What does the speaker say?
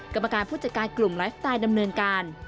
กรรมการผู้จัดการกลุ่มไลฟ์สไตล์ดำเนินการ